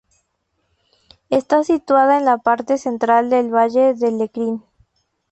Está situada en la parte central del Valle de Lecrín.